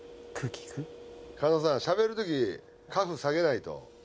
狩野さんしゃべる時カフ下げないと。